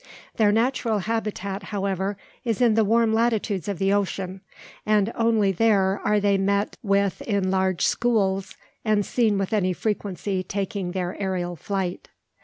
Their natural habitat, however, is in the warm latitudes of the ocean; and only there are they met with in large "schools," and seen with any frequency taking their aerial flight.